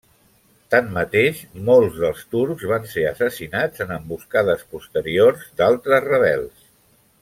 Tanmateix, molts dels turcs van ser assassinats en emboscades posteriors d'altres rebels.